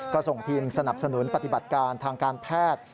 ก็ส่งทีมสนับสนุนปฏิบัติการทางการแพทย์